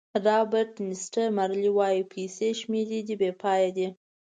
رابرټ نیسټه مارلې وایي پیسې شمېرې دي بې پایه دي.